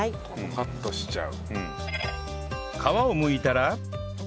カットしちゃう。